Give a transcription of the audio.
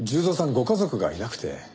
ご家族がいなくて。